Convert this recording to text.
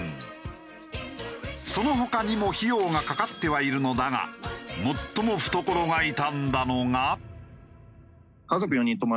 その他にも費用がかかってはいるのだが最も懐が痛んだのが。